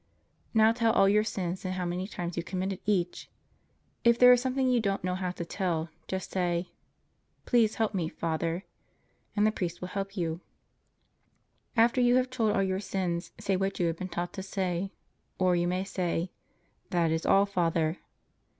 Now tell all your sins and how many times you committed each. If there is something you don't know how to tell, just say, "Please help me, Father," and the priest will help you. After you have told all your sins, say what you have been taught to say. Or you may say: That is all, Father.